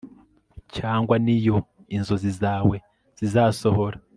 cyangwa niyo inzozi zawe zizasohora